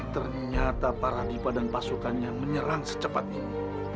ternyata para dibandang masukannya menyerang secepat ini